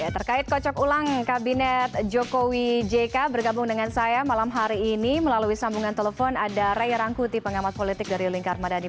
terkait kocok ulang kabinet jokowi jk bergabung dengan saya malam hari ini melalui sambungan telepon ada ray rangkuti pengamat politik dari lingkar madani